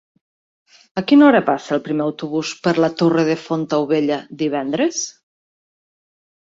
A quina hora passa el primer autobús per la Torre de Fontaubella divendres?